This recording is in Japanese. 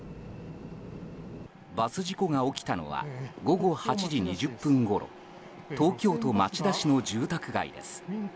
バス事故が起きたのは午後８時２０分ごろ東京都町田市の住宅街です。